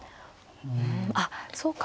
うんあっそうか。